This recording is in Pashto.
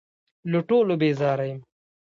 له ټولو بېزاره یم .